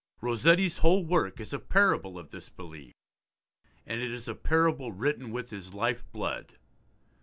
Rossetti's whole work is a parable of this belief, and it is a parable written with his life blood.